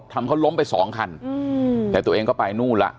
ทำเขาล้มไปสองคันแต่ตัวเองก็ไปนู่นละ